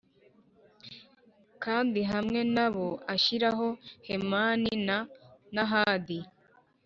Kandi hamwe na bo ashyiraho Hemani na Nahadi